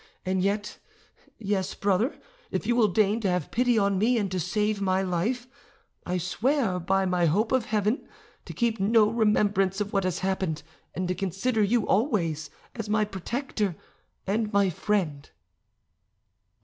And yet—yes, brother—if you will deign to have pity on me and to save my life, I swear, by my hope of heaven, to keep no remembrance of what has happened; and to consider you always as my protector and my friend."